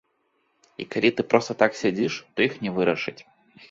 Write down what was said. І калі ты проста так сядзіш, то іх не вырашыць.